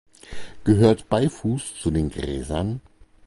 Gehört Beifuß zu den Gräsern?